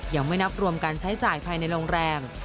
ยังไม่นับรวมการใช้จ่ายภายในโรงแรม